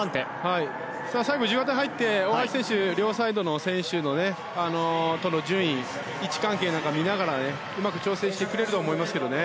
最後、自由形に入って大橋選手、両サイドの選手との順位や位置関係を見ながらうまく調整してくれると思いますけどね。